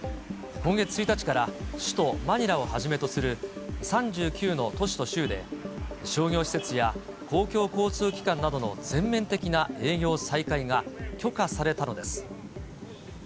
今月１日から、首都マニラをはじめとする３９の都市と州で、商業施設や公共交通機関などの全面的な営業再開が許可されたのです。